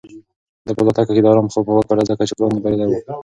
ده په الوتکه کې د ارام خوب وکړ ځکه چې پلان یې بریالی و.